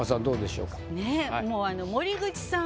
どうでしょう？